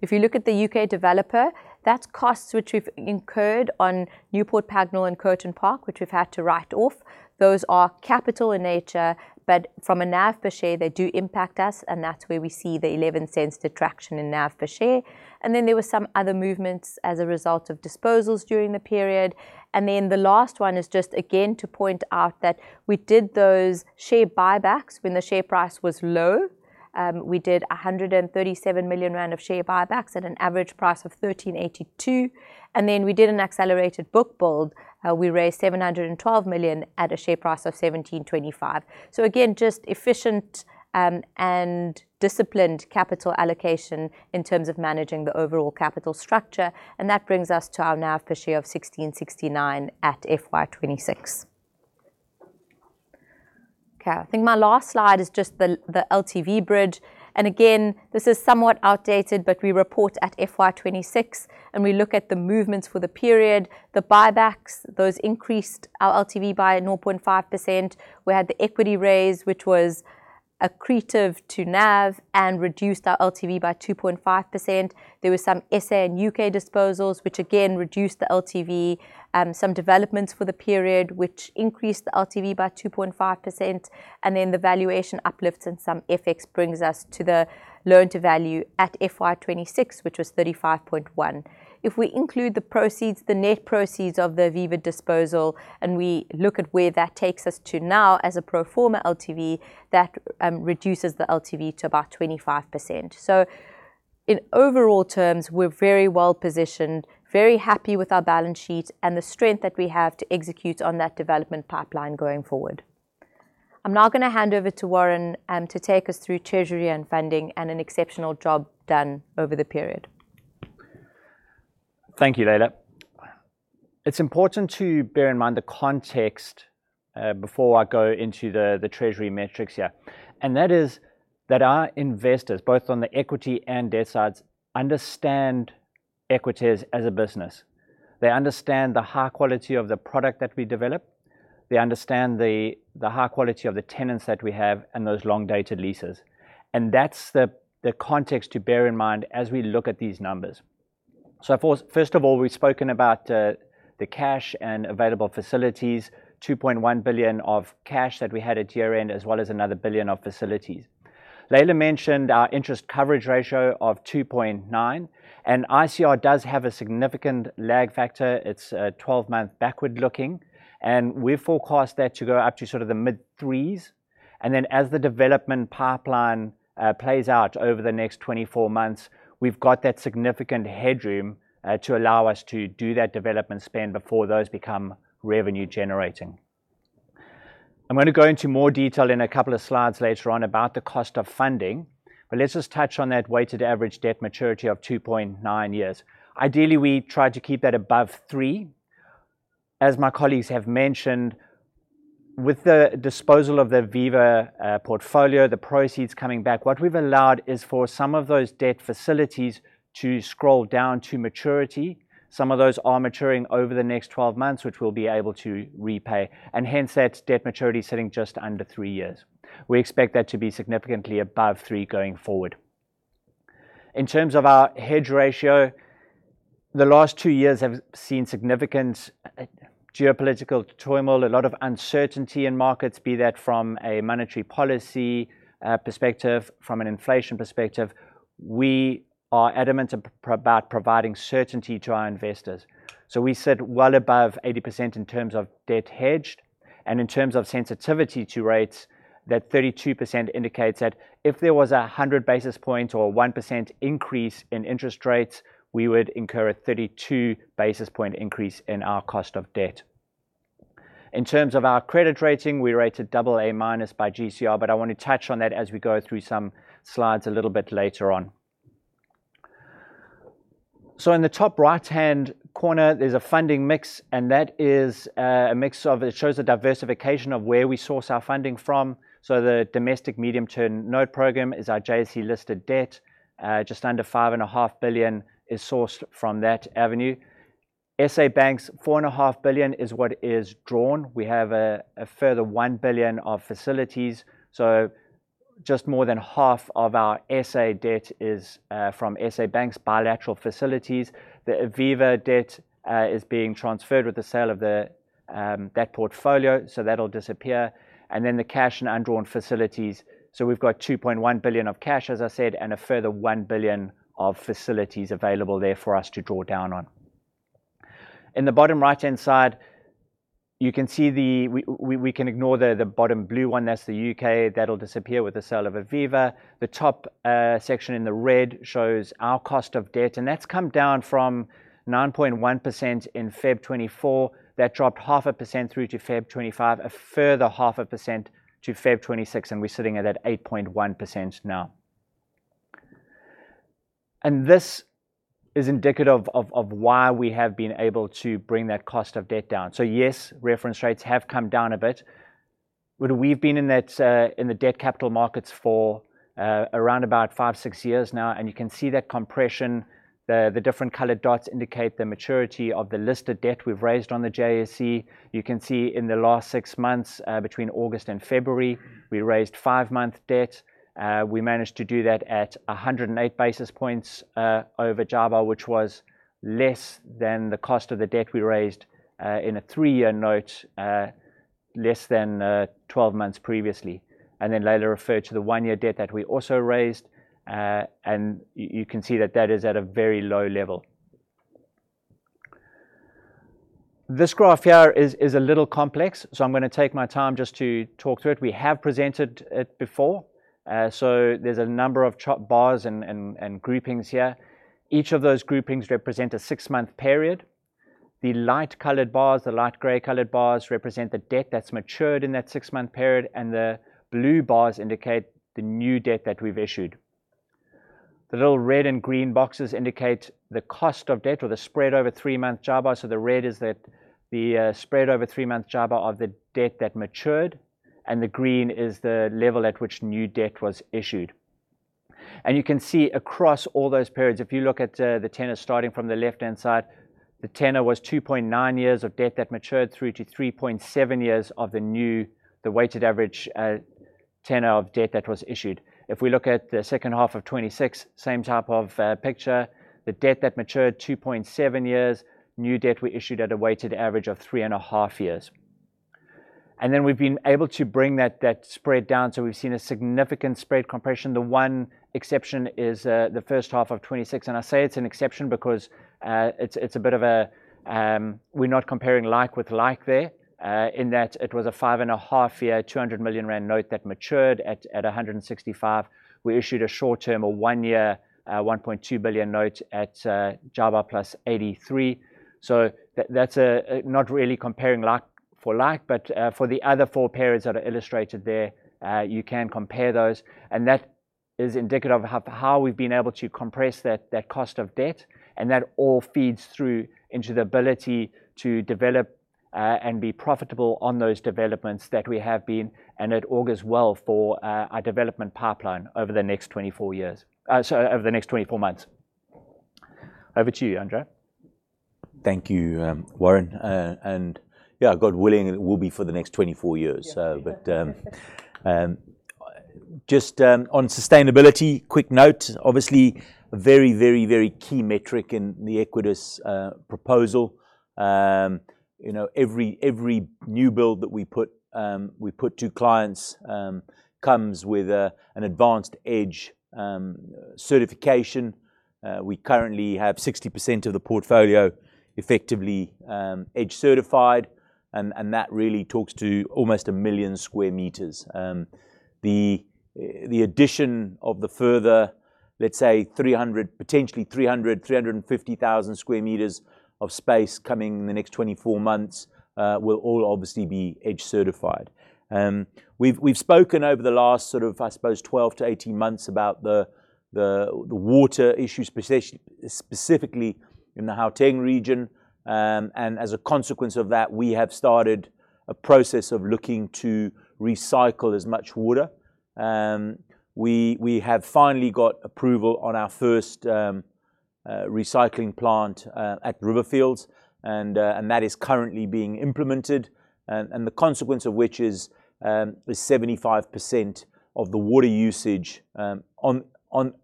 If you look at the U.K. developer, that's costs which we've incurred on Newport Pagnell and Coton Park, which we've had to write off. Those are capital in nature, but from a NAV per share, they do impact us, and that's where we see the 0.11 detraction in NAV per share. There were some other movements as a result of disposals during the period. The last one is just again to point out that we did those share buybacks when the share price was low. We did 137 million rand of share buybacks at an average price of 13.82, then we did an accelerated bookbuild. We raised 712 million at a share price of 17.25. Again, just efficient and disciplined capital allocation in terms of managing the overall capital structure, that brings us to our NAV per share of 16.69 at FY 2026. I think my last slide is just the LTV bridge, again, this is somewhat outdated, but we report at FY 2026, we look at the movements for the period. The buybacks, those increased our LTV by 0.5%. We had the equity raise, which was accretive to NAV and reduced our LTV by 2.5%. There were some S.A. and U.K. disposals, which again reduced the LTV. Some developments for the period, which increased the LTV by 2.5%. The valuation uplifts and some FX brings us to the loan-to-value at FY 2026, which was 35.1%. We include the proceeds, the net proceeds of the Aviva disposal, and we look at where that takes us to now as a pro forma LTV, that reduces the LTV to about 25%. In overall terms, we're very well positioned, very happy with our balance sheet, and the strength that we have to execute on that development pipeline going forward. I'm now gonna hand over to Warren to take us through treasury and funding and an exceptional job done over the period. Thank you, Laila. It's important to bear in mind the context before I go into the treasury metrics here. That is that our investors, both on the equity and debt sides, understand Equites as a business. They understand the high quality of the product that we develop. They understand the high quality of the tenants that we have and those long-dated leases, and that's the context to bear in mind as we look at these numbers. First, first of all, we've spoken about the cash and available facilities, 2.1 billion of cash that we had at year-end, as well as another 1 billion of facilities. Laila mentioned our interest coverage ratio of 2.9, and ICR does have a significant lag factor. It's 12-month backward-looking, and we forecast that to go up to sort of the mid-3s. As the development pipeline plays out over the next 24 months, we've got that significant headroom to allow us to do that development spend before those become revenue generating. I'm gonna go into more detail in a couple of slides later on about the cost of funding, but let's just touch on that weighted average debt maturity of 2.9 years. Ideally, we try to keep that above three. As my colleagues have mentioned, with the disposal of the Aviva portfolio, the proceeds coming back, what we've allowed is for some of those debt facilities to scroll down to maturity. Some of those are maturing over the next 12 months, which we'll be able to repay, and hence that debt maturity sitting just under three years. We expect that to be significantly above three going forward. In terms of our hedge ratio, the last two years have seen significant geopolitical turmoil, a lot of uncertainty in markets, be that from a monetary policy perspective, from an inflation perspective. We are adamant about providing certainty to our investors. We sit well above 80% in terms of debt hedged. In terms of sensitivity to rates, that 32% indicates that if there was 100 basis point or 1% increase in interest rates, we would incur a 32 basis point increase in our cost of debt. In terms of our credit rating, we rate a double A-minus by GCR, I want to touch on that as we go through some slides a little bit later on. In the top right-hand corner, there's a funding mix, and that is It shows a diversification of where we source our funding from. The domestic medium-term note programme is our JSE-listed debt. Just under 5.5 billion is sourced from that avenue. S.A. Banks, 4.5 billion is what is drawn. We have a further 1 billion of facilities. Just more than half of our S.A. debt is from S.A. Banks bilateral facilities. The Aviva debt is being transferred with the sale of that portfolio, so that'll disappear. Then the cash and undrawn facilities, we've got 2.1 billion of cash, as I said, and a further 1 billion of facilities available there for us to draw down on. In the bottom right-hand side, you can see the We can ignore the bottom blue one, that's the U.K. That'll disappear with the sale of Aviva. The top section in the red shows our cost of debt, that's come down from 9.1% in Feb 2024. That dropped 0.5% through to Feb 2025, a further 0.5% to Feb 2026, we're sitting at that 8.1% now. This is indicative of why we have been able to bring that cost of debt down. Yes, reference rates have come down a bit. We've been in that in the debt capital markets for around about five, six years now, and you can see that compression. The different colored dots indicate the maturity of the listed debt we've raised on the JSE. You can see in the last 6 months, between August and February, we raised five month debt. We managed to do that at 108 basis points over JIBAR, which was less than the cost of the debt we raised in a three-year note, less than 12 months previously. Laila referred to the one-year debt that we also raised. You can see that that is at a very low level. This graph here is a little complex, so I'm gonna take my time just to talk through it. We have presented it before. There's a number of chart bars and groupings here. Each of those groupings represent a six-month period. The light-colored bars, the light gray-colored bars, represent the debt that's matured in that six-month period, and the blue bars indicate the new debt that we've issued. The little red and green boxes indicate the cost of debt or the spread over three-month JIBAR. The red is that, the spread over three-month JIBAR of the debt that matured, and the green is the level at which new debt was issued. You can see across all those periods, if you look at the tenor starting from the left-hand side, the tenor was 2.9 years of debt that matured through to 3.7 years of the new, the weighted average tenor of debt that was issued. If we look at the second half of 2026, same type of picture. The debt that matured, 2.7 years. New debt we issued at a weighted average of 3.5 years. Then we've been able to bring that spread down, so we've seen a significant spread compression. The one exception is the first half of 2026, and I say it's an exception because we're not comparing like with like there, in that it was a 5.5-year, 200 million rand note that matured at 165. We issued a short term or one-year, 1.2 billion note at JIBAR plus 83. That's not really comparing like for like, but for the other four periods that are illustrated there, you can compare those and that is indicative of how we've been able to compress that cost of debt, and that all feeds through into the ability to develop and be profitable on those developments that we have been, and it augurs well for our development pipeline over the next 24 years. Sorry, over the next 24 months. Over to you, Andrea. Thank you, Warren. Yeah, God willing, it will be for the next 24 years. Yeah. On sustainability, quick note, obviously very, very, very key metric in the Equites proposal. You know, every new build that we put, we put to clients, comes with an advanced EDGE certification. We currently have 60% of the portfolio effectively EDGE certified, and that really talks to almost 1 million square meters. The addition of the further, let's say 300, potentially 300,000, 350,000 square meters of space coming in the next 24 months, will all obviously be EDGE certified. We've spoken over the last sort of, I suppose 12 to 18 months about the water issue specifically in the Gauteng region. As a consequence of that, we have started a process of looking to recycle as much water. We have finally got approval on our first recycling plant at Riverfields and that is currently being implemented. The consequence of which is 75% of the water usage on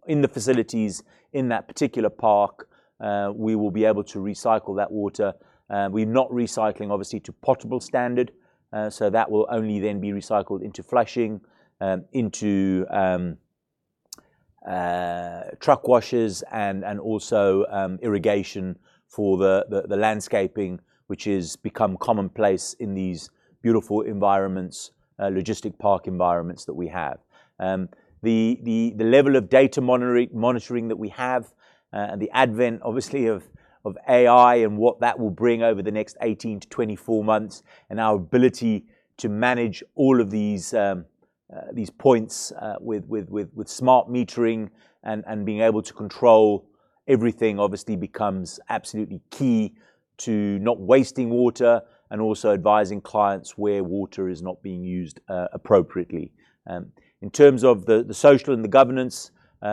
in the facilities in that particular park, we will be able to recycle that water. We're not recycling obviously to potable standard, so that will only then be recycled into flushing, into truck washes and also irrigation for the landscaping, which has become commonplace in these beautiful environments, logistic park environments that we have. The level of data monitoring that we have, and the advent obviously of AI and what that will bring over the next 18 to 24 months and our ability to manage all of these points, with smart metering and being able to control everything obviously becomes absolutely key to not wasting water and also advising clients where water is not being used appropriately. In terms of the social and the governance,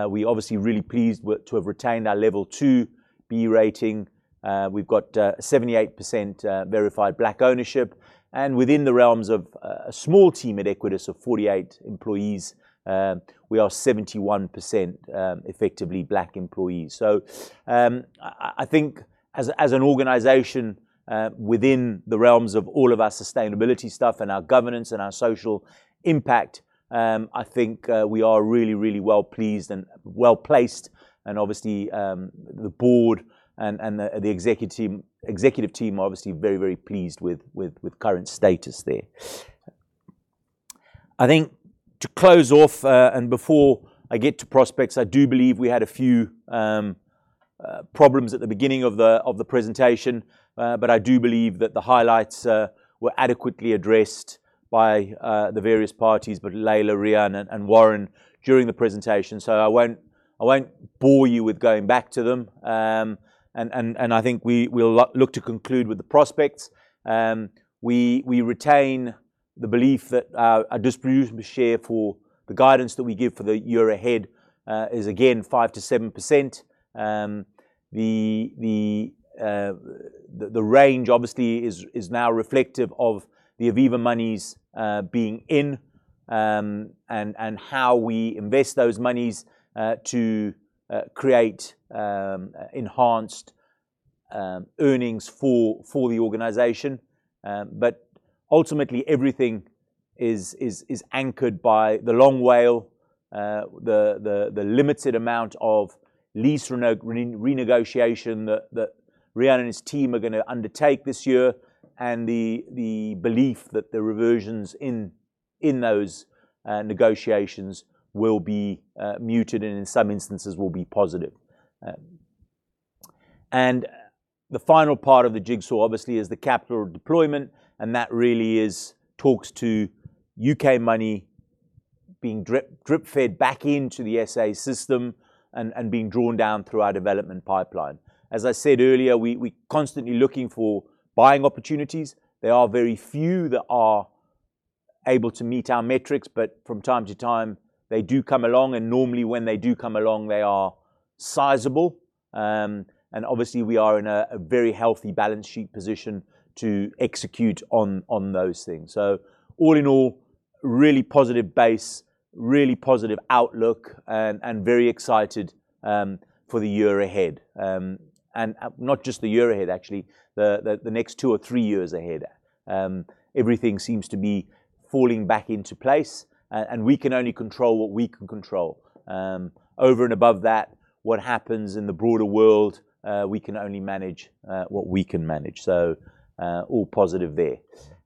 we obviously are really pleased to have retained our Level 2 BEE rating. We've got 78% verified Black ownership, and within the realms of a small team at Equites of 48 employees, we are 71% effectively Black employees. I think as an organization, within the realms of all of our sustainability stuff and our governance and our social impact, I think we are really, really well pleased and well-placed and obviously the board and the executive team are obviously very, very pleased with current status there. I think to close off, and before I get to prospects, I do believe we had a few problems at the beginning of the presentation. I do believe that the highlights were adequately addressed by the various parties, by Laila, Riaan, and Warren during the presentation, so I won't bore you with going back to them. I think we will look to conclude with the prospects. We, we retain the belief that our distributable share for the guidance that we give for the year ahead, is again 5%-7%. The range obviously is now reflective of the Aviva monies being in, and how we invest those monies to create enhanced earnings for the organization. Ultimately everything is anchored by the long WALE, the limited amount of lease renegotiation that Riaan and his team are gonna undertake this year, and the belief that the reversions in those negotiations will be muted and in some instances will be positive. The final part of the jigsaw obviously is the capital deployment, and that really is talks to U.K. money being drip fed back into the S.A. system and being drawn down through our development pipeline. As I said earlier, we're constantly looking for buying opportunities. There are very few that are able to meet our metrics, from time to time they do come along, and normally when they do come along, they are sizable. Obviously we are in a very healthy balance sheet position to execute on those things. All in all, really positive base, really positive outlook and very excited for the year ahead. Not just the year ahead, actually, the next two or three years ahead. Everything seems to be falling back into place, and we can only control what we can control. Over and above that, what happens in the broader world, we can only manage what we can manage. All positive there.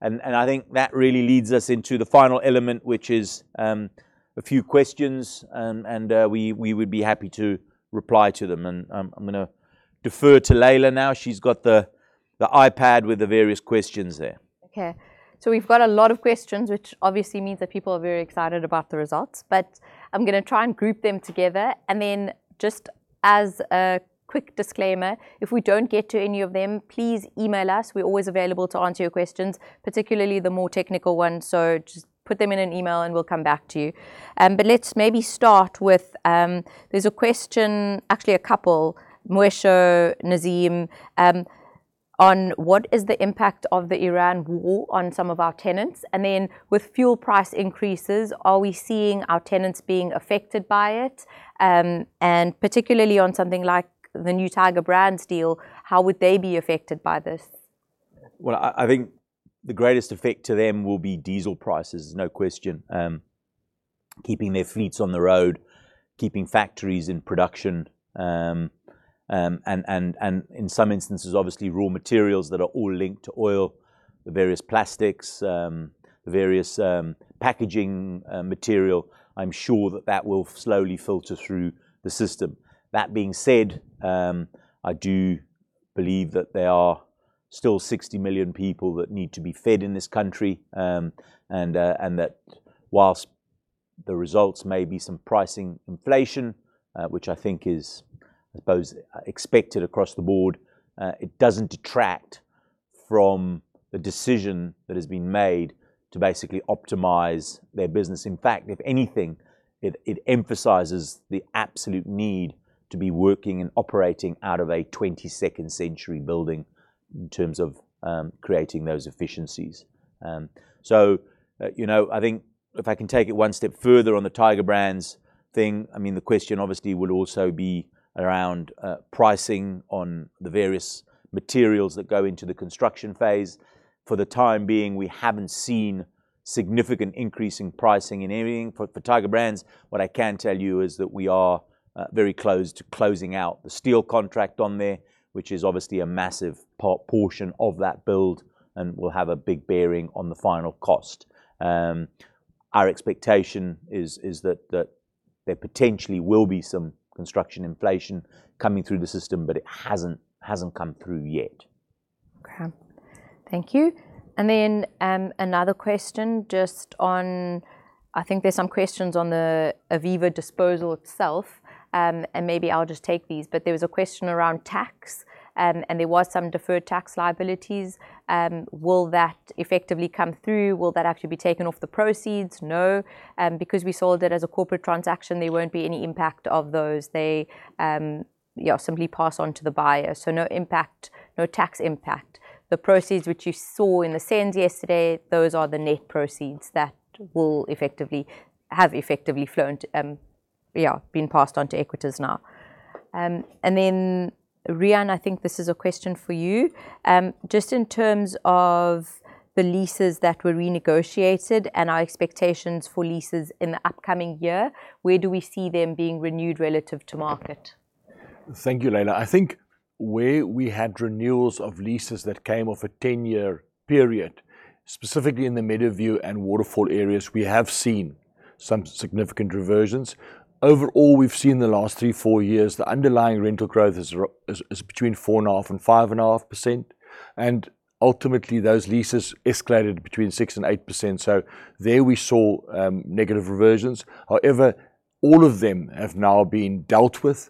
I think that really leads us into the final element, which is a few questions, we would be happy to reply to them. I'm gonna defer to Laila now. She's got the iPad with the various questions there. We've got a lot of questions, which obviously means that people are very excited about the results. I'm gonna try and group them together, just as a quick disclaimer, if we don't get to any of them, please email us. We're always available to answer your questions, particularly the more technical ones. Just put them in an email and we'll come back to you. Let's maybe start with, there's a question, actually a couple, Moisho, Nazeem, on what is the impact of the Iran war on some of our tenants? With fuel price increases, are we seeing our tenants being affected by it? Particularly on something like the new Tiger Brands deal, how would they be affected by this? Well, I think the greatest effect to them will be diesel prices, no question. Keeping their fleets on the road, keeping factories in production. In some instances, obviously, raw materials that are all linked to oil, the various plastics, the various packaging material. I'm sure that that will slowly filter through the system. That being said, I do believe that there are still 60 million people that need to be fed in this country. That whilst the results may be some pricing inflation, which I think is, I suppose, expected across the board, it doesn't detract from the decision that has been made to basically optimize their business. In fact, if anything, it emphasizes the absolute need to be working and operating out of a 22nd century building in terms of creating those efficiencies. You know, I think if I can take it one step further on the Tiger Brands thing, I mean, the question obviously will also be around pricing on the various materials that go into the construction phase. For the time being, we haven't seen significant increase in pricing in anything. For Tiger Brands, what I can tell you is that we are very closed to closing out the steel contract on there, which is obviously a massive portion of that build and will have a big bearing on the final cost. Our expectation is that there potentially will be some construction inflation coming through the system, but it hasn't come through yet. Okay. Thank you. Another question just on, I think there's some questions on the Aviva disposal itself. Maybe I'll just take these. There was a question around tax, and there was some deferred tax liabilities. Will that effectively come through? Will that actually be taken off the proceeds? No, because we sold it as a corporate transaction, there won't be any impact of those. They, you know, simply pass on to the buyer. No impact, no tax impact. The proceeds which you saw in the SENS yesterday, those are the net proceeds that will effectively have effectively flown to, yeah, been passed on to Equites now. Rian, I think this is a question for you. Just in terms of the leases that were renegotiated and our expectations for leases in the upcoming year, where do we see them being renewed relative to market? Thank you, Laila. I think where we had renewals of leases that came off a 10-year period, specifically in the Meadowview and Waterfall areas, we have seen some significant reversions. Overall, we've seen the last three, four years, the underlying rental growth is between 4.5% and 5.5%. Ultimately, those leases escalated between 6% and 8%. There we saw negative reversions. However, all of them have now been dealt with.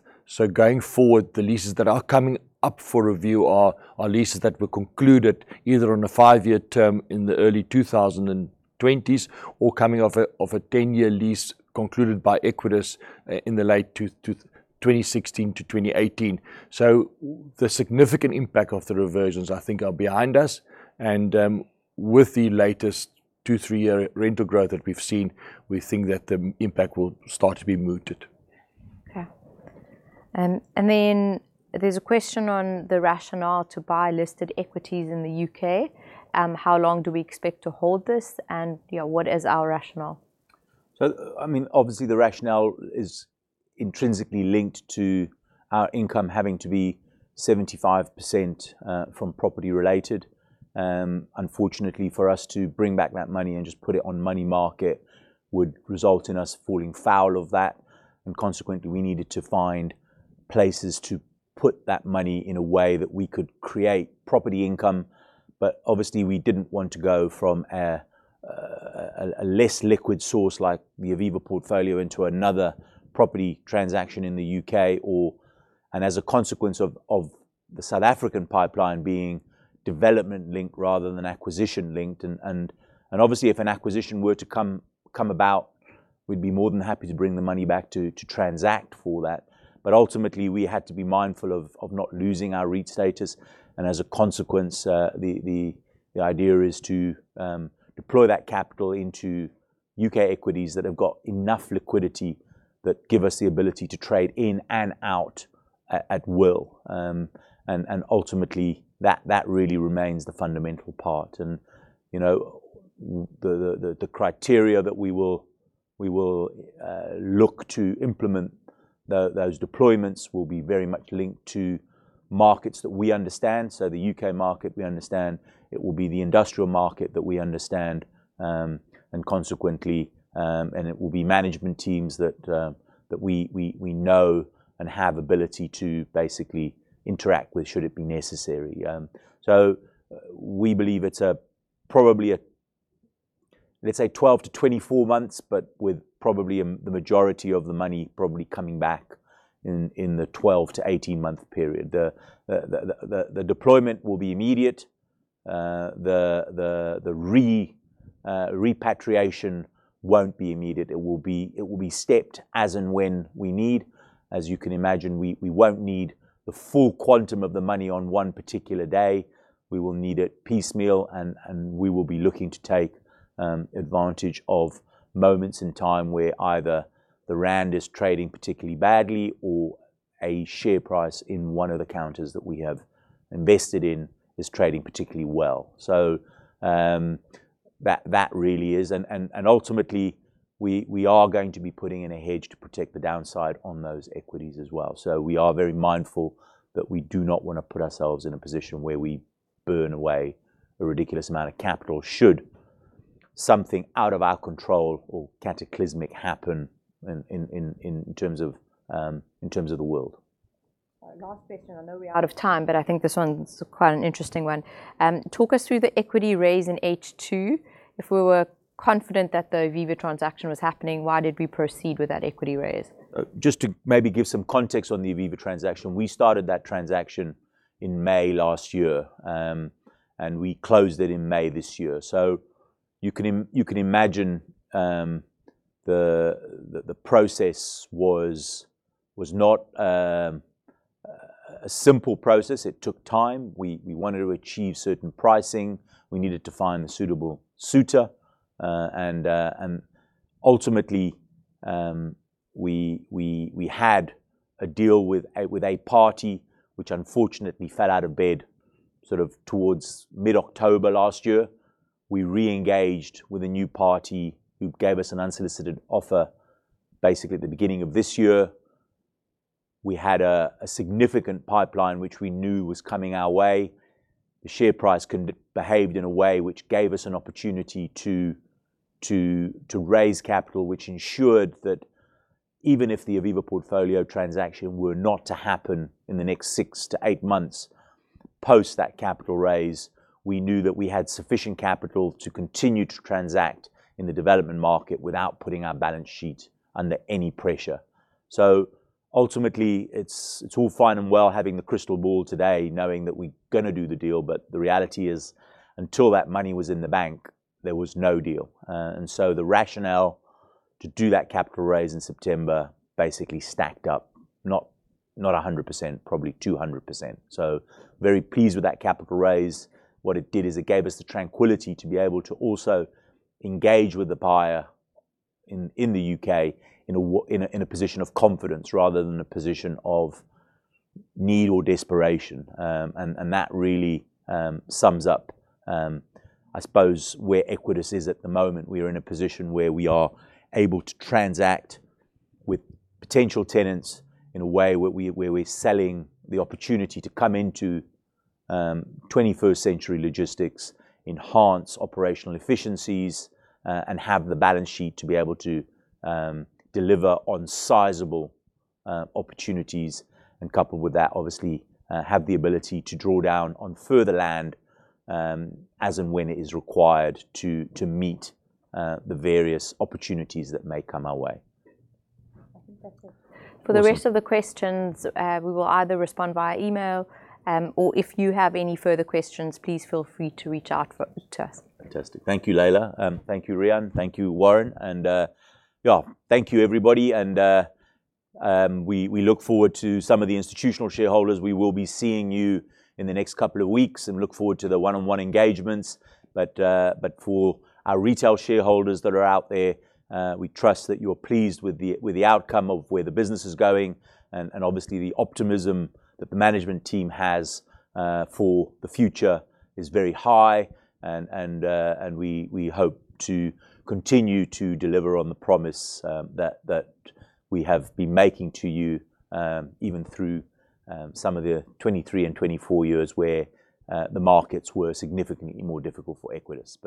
Going forward, the leases that are coming up for review are leases that were concluded either on a five-year term in the early 2020s or coming off a 10-year lease concluded by Equites in the late 2016 to 2018. The significant impact of the reversions, I think, are behind us. With the latest two, three-year rental growth that we've seen, we think that the impact will start to be mooted. Okay. There's a question on the rationale to buy listed equities in the U.K. How long do we expect to hold this, and, you know, what is our rationale? I mean, obviously the rationale is intrinsically linked to our income having to be 75% from property related. Unfortunately, for us to bring back that money and just put it on money market would result in us falling foul of that, and consequently, we needed to find places to put that money in a way that we could create property income. Obviously we didn't want to go from a less liquid source like the Aviva portfolio into another property transaction in the U.K., or as a consequence of the South African pipeline being development linked rather than acquisition linked. Obviously, if an acquisition were to come about, we'd be more than happy to bring the money back to transact for that. Ultimately, we had to be mindful of not losing our REIT status. As a consequence, the idea is to deploy that capital into U.K. equities that have got enough liquidity that give us the ability to trade in and out at will. Ultimately, that really remains the fundamental part. You know, the criteria that we will look to implement those deployments will be very much linked to markets that we understand. The U.K. market we understand. It will be the industrial market that we understand. Consequently, it will be management teams that we know and have ability to basically interact with should it be necessary. We believe it's a probably, let's say 12-24 months, but with probably the majority of the money probably coming back in the 12-18 month period. The deployment will be immediate. Repatriation won't be immediate. It will be, it will be stepped as and when we need. As you can imagine, we won't need the full quantum of the money on one particular day. We will need it piecemeal, and we will be looking to take advantage of moments in time where either the rand is trading particularly badly or a share price in one of the counters that we have invested in is trading particularly well. That really is. Ultimately, we are going to be putting in a hedge to protect the downside on those equities as well. We are very mindful that we do not want to put ourselves in a position where we burn away a ridiculous amount of capital should something out of our control or cataclysmic happen in terms of the world. Last question. I know we're out of time, but I think this one's quite an interesting one. Talk us through the equity raise in H2. If we were confident that the Aviva transaction was happening, why did we proceed with that equity raise? Just to maybe give some context on the Aviva transaction, we started that transaction in May last year. We closed it in May this year. You can imagine, the process was not a simple process. It took time. We wanted to achieve certain pricing. We needed to find a suitable suitor. Ultimately, we had a deal with a party which unfortunately fell out of bed sort of towards mid-October last year. We re-engaged with a new party who gave us an unsolicited offer basically at the beginning of this year. We had a significant pipeline which we knew was coming our way. The share price behaved in a way which gave us an opportunity to raise capital, which ensured that even if the Aviva portfolio transaction were not to happen in the next six to eight months, post that capital raise, we knew that we had sufficient capital to continue to transact in the development market without putting our balance sheet under any pressure. Ultimately, it's all fine and well having the crystal ball today knowing that we're gonna do the deal, the reality is, until that money was in the bank, there was no deal. The rationale to do that capital raise in September basically stacked up, not 100%, probably 200%. Very pleased with that capital raise. What it did is it gave us the tranquility to be able to also engage with the buyer in the U.K. in a position of confidence rather than a position of need or desperation. That really sums up, I suppose where Equites is at the moment. We are in a position where we are able to transact with potential tenants in a way where we're selling the opportunity to come into 21st century logistics, enhance operational efficiencies, and have the balance sheet to be able to deliver on sizable opportunities and coupled with that, obviously, have the ability to draw down on further land as and when it is required to meet the various opportunities that may come our way. I think that's it. Awesome. For the rest of the questions, we will either respond via email, or if you have any further questions, please feel free to reach out to us. Fantastic. Thank you, Laila. Thank you, Riaan. Thank you, Warren. Yeah, thank you, everybody. We look forward to some of the institutional shareholders. We will be seeing you in the next couple of weeks and look forward to the one-on-one engagements. For our retail shareholders that are out there, we trust that you're pleased with the outcome of where the business is going and obviously the optimism that the management team has for the future is very high and we hope to continue to deliver on the promise that we have been making to you even through some of the 2023 and 2024 years where the markets were significantly more difficult for Equites.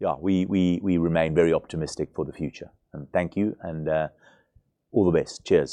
Yeah, we remain very optimistic for the future. Thank you and all the best. Cheers.